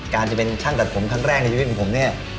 การจะเป็นช่างตัดผมครั้งแรกในชีวิตของผมเนี่ย